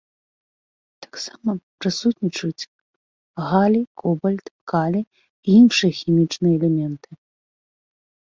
Таксама прысутнічаюць галій, кобальт, калій і іншыя хімічныя элементы.